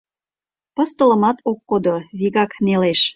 Пыстылымат ок кодо — вигак нелеш.